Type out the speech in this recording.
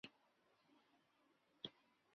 大中年间卒于任上。